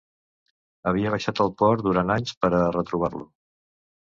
Havia baixat al port durant anys per a retrobar-lo.